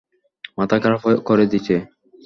মাথা খারাপ করে দিছে।